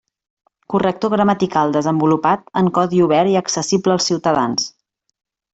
Corrector gramatical desenvolupat en codi obert i accessible als ciutadans.